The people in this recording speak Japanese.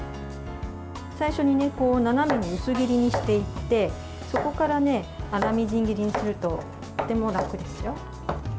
最初に斜めに薄切りにしていってそこから粗みじん切りにするととても楽ですよ。